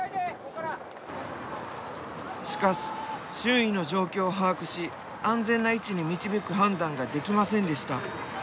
しかし周囲の状況を把握し安全な位置に導く判断ができませんでした。